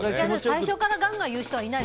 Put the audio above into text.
最初からガンガン言う人はいない。